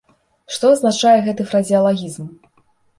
Што азначае гэты фразеалагізм?